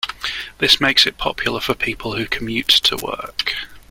This makes it popular for people who commute to work.